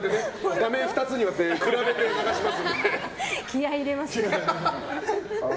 画面２つに割って比べて流しますので。